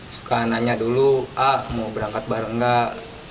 suka nanya dulu ah mau berangkat bareng enggak